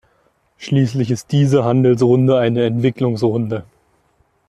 Schließlich ist diese Handelsrunde eine Entwicklungsrunde.